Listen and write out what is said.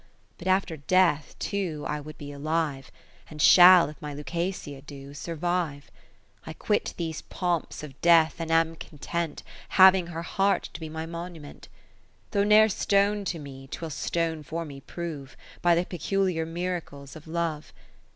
But after death too I would be alive, And shall, if my Lucasia do, sur vive. I quit these pomps of death, and am content, Having her heart to be my monu ment : Though ne'er stone to me, 'twill stone for me prove, By the peculiar miracles of Love.